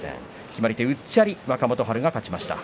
決まり手は、うっちゃりで若元春が勝ちました。